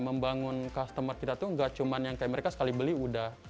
membangun customer kita tuh gak cuma yang kayak mereka sekali beli udah